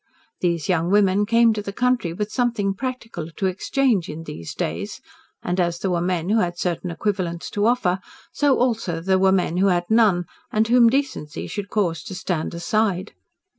These young women came to the country with something practical to exchange in these days, and as there were men who had certain equivalents to offer, so also there were men who had none, and whom decency should cause to stand aside.